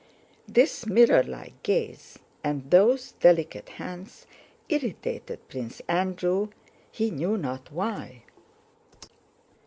This mirrorlike gaze and those delicate hands irritated Prince Andrew, he knew not why.